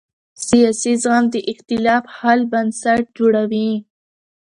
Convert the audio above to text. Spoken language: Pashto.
سیاسي زغم د اختلاف حل بنسټ جوړوي